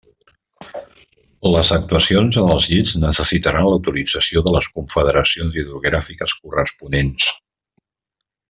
Les actuacions en els llits necessitaran l'autorització de les confederacions hidrogràfiques corresponents.